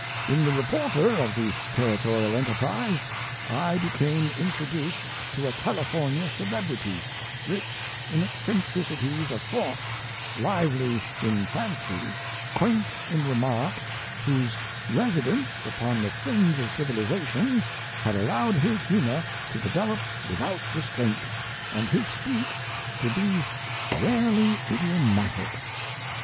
In the reporter of the 'Territorial Enterprise' I became introduced to a Californian celebrity, rich in eccentricities of thought, lively in fancy, quaint in remark, whose residence upon the fringe of civilization had allowed his humour to develop without restraint, and his speech to be rarely idiomatic."